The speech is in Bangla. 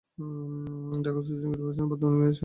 ঢাকা দক্ষিণ সিটি কর্পোরেশনের বর্তমান মেয়র শেখ ফজলে নূর তাপস।